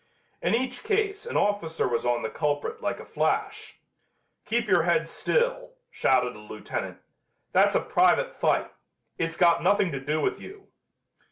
In each case an officer was on the culprit like a flash. "Keep your head still," shouted a lieutenant. "That's a private fight. It's got nothing to do with you."